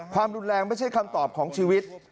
ความรุนแรงไม่ใช่คำตอบของชีวิต